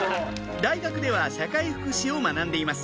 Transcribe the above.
大学では社会福祉を学んでいます